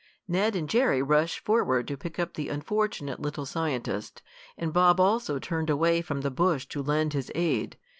Ned and Jerry rushed forward to pick up the unfortunate little scientist, and Bob also turned away from the bush to lend his aid.